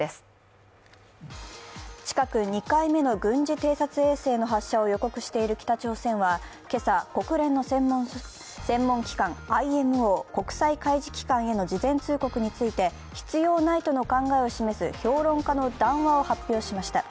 近く２回目の軍事偵察衛星の発射を予告している北朝鮮は今朝、国連の専門機関ＩＭＯ＝国際海事機関への事前通告について必要ないとの考えを示す評論家の談話を発表しました。